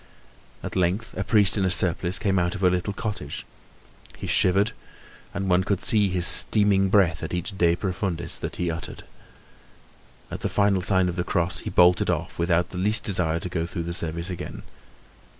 At length a priest in a surplice came out of a little cottage. He shivered, and one could see his steaming breath at each de profundis that he uttered. At the final sign of the cross he bolted off, without the least desire to go through the service again.